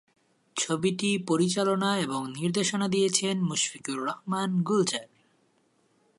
ছবিটি পরিচালনা এবং নির্দেশনা দিয়েছেন মুশফিকুর রহমান গুলজার।